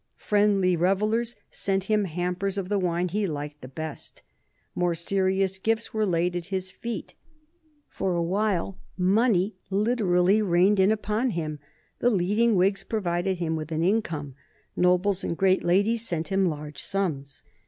Friendly revellers sent him hampers of the wine he liked the best. More serious gifts were laid at his feet. For a while money literally rained in upon him. The leading Whigs provided him with an income. Nobles and great ladies sent him large sums.